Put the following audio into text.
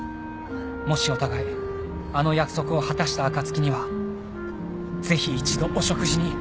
「もしお互いあの約束を果たした暁には是非一度お食事に」